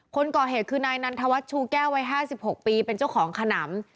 คนก่อเหตุคือนายนันทวัฒนชูแก้ววัย๕๖ปีเป็นเจ้าของขนำ